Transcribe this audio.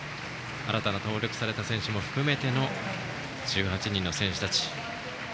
新たに登録された選手も含めての１８人の選手たち。